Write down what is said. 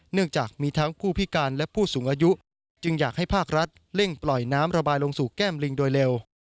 เนื่องจากมีทั้งผู้พิการและผู้สูงอายุจึงอยากให้ภาครัฐเร่งปล่อยน้ำระบายลงสู่แก้มลิงโดยเร็ว